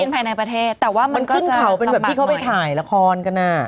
เพราะว่ามันขึ้นเข่ามันขึ้นเข่าเป็นแบบพี่เข้าไปถ่ายละครกันนะ